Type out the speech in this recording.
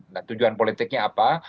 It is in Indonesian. nah tujuan politiknya apa